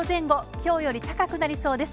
きょうより高くなりそうです。